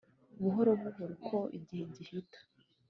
Buhoro buhoro uko igihe gihita